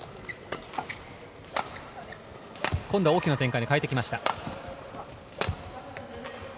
今度は大きな展開に変えてきました。